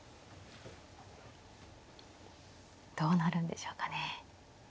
どうなるんでしょうかね。